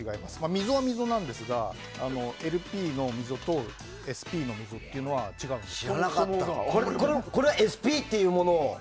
溝は溝なんですがＬＰの溝とＳＰの溝は違います。